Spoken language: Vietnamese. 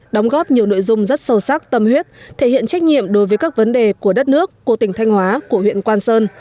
đóng góp nhiều nội dung rất sâu sắc tâm huyết thể hiện trách nhiệm đối với các vấn đề của đất nước của tỉnh thanh hóa của huyện quang sơn